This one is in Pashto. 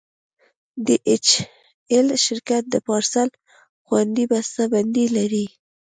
ډي ایچ ایل شرکت د پارسل خوندي بسته بندي لري.